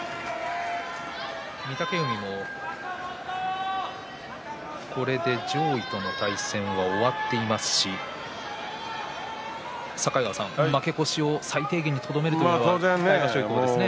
御嶽海も、これで上位との対戦は終わっていますし境川さん、負け越しを最低限にとどめたいですね。